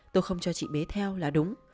tôi không cho chị bé theo là đúng